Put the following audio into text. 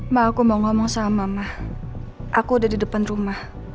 mah aku mau ngomong sama mah aku udah di depan rumah